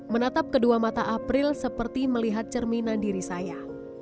menatap kedua mata april seperti melihat cerminan diri saya